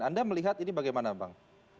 anda melihat ini bagaimana bang